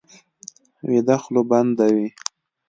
ویده خوله بنده وي